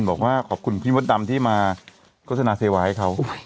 บอกว่าขอบคุณพี่มดดำที่มาโฆษณาเซวาให้เขา